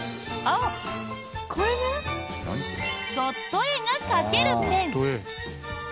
ドット絵が描けるペン！